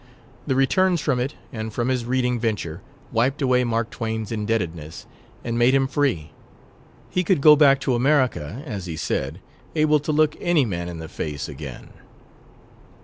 The returns from it, and from his reading venture, wiped away Mark Twain's indebtedness and made him free. He could go back to America; as he said, able to look any man in the face again.